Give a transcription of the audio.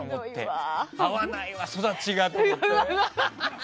合わないな、育ちがって。